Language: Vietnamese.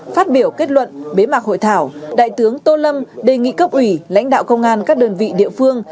phát biểu kết luận bế mạc hội thảo đại tướng tô lâm đề nghị cấp ủy lãnh đạo công an các đơn vị địa phương